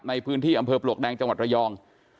ในพื้นที่อำเภอปลวกแดงจังหวัดระยอง